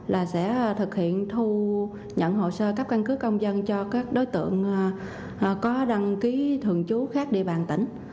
là sẽ thực hiện thu nhận hồ sơ cấp căn cứ công dân cho các đối tượng có đăng ký thường trú khác địa bàn tỉnh